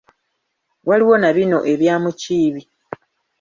Waliwo na bino ebya Mukiibi.